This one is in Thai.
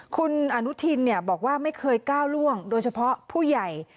คุณอนุทินบอกว่าไม่เคยก้าวล่วงโดยเฉพาะผู้ใหญ่